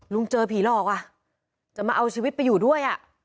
เจอผีหลอกอ่ะจะมาเอาชีวิตไปอยู่ด้วยอ่ะ